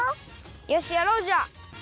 よしやろうじゃあ！